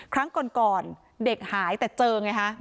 ครั้งก่อนเด็กหายแต่เจอไงฮะ